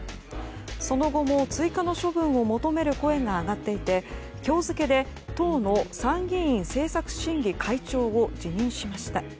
その後も追加の処分を求める声が上がっていて今日付けで党の参議院政策審議会長を辞任しました。